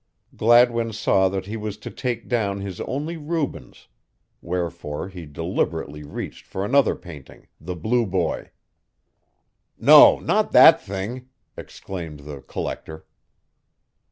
Gladwin saw that he was to take down his only Rubens, wherefore he deliberately reached for another painting, "The Blue Boy." "No, not that thing!" exclaimed the "collector."